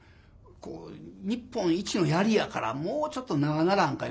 こう「日本一の槍やからもうちょっと長ならんか」